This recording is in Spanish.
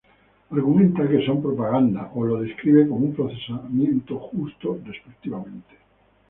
Argumenta que son propaganda,o lo describe como un procesamiento justo, respectivamente.